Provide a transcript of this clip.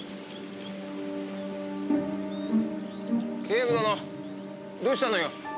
警部殿どうしたのよ。